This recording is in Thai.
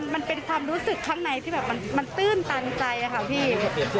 มันเป็นความรู้สึกข้างในที่แบบมันตื้นตันใจค่ะพี่